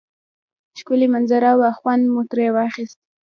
ښکلی منظره وه خوند مو تری واخیست